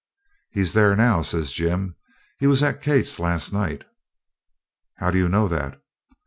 'He's there now,' says Jim. 'He was at Kate's last night.' 'How do you know that?'